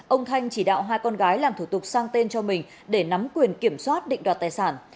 ông thanh chỉ đạo hai con gái làm thủ tục sang tên cho mình để nắm quyền kiểm soát định đoạt tài sản